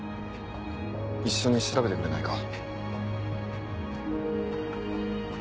一緒に調べてくれないか？